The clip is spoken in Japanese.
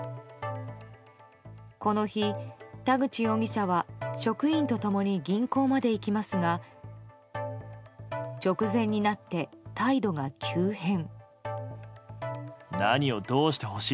この日、田口容疑者は職員と共に銀行まで行きますが直前になって態度が急変。